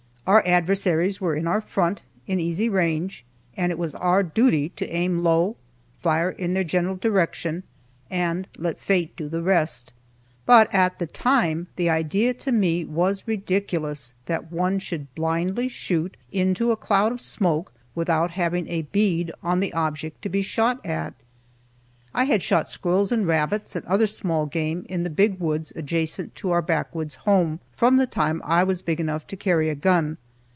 Our adversaries were in our front, in easy range, and it was our duty to aim low, fire in their general direction, and let fate do the rest. But at the time the idea to me was ridiculous that one should blindly shoot into a cloud of smoke without having a bead on the object to be shot at. I had shot squirrels and rabbits, and other small game, in the big woods adjacent to our backwoods home, from the time I was big enough to carry a gun.